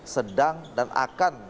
sedang dan akan